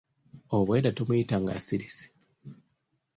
Obwedda tumuyita ng'asirise.